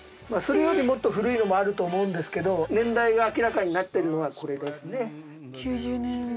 それよりもっと古いのもあると思うんですけど年代が明らかになってるのはこれですね。